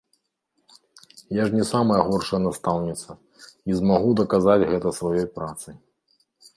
Я ж не самая горшая настаўніца і змагу даказаць гэта сваёй працай.